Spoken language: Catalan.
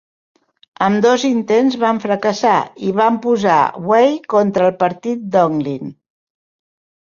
Ambdós intents van fracassar i van posar Wei contra el partit Donglin.